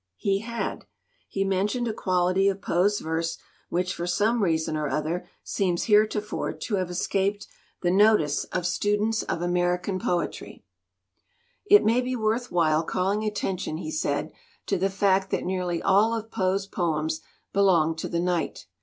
He had. He mentioned a quality of Poe's verse which for some reason or other seems LITERATURE IN THE MAKING heretofore to have escaped the notice of students of American poetry. "It may be worth while calling attention,*' he said, "to the fact that nearly all of Poe's poems belong to the night.